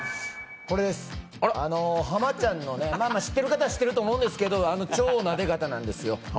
濱ちゃんの、知ってる方は知ってると思うんですけど超なで肩なんですよ。